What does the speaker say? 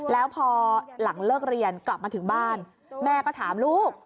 แล้วพอหลังเลิกเรียนกลับมาถึงบ้านแม่ก็ถามลูก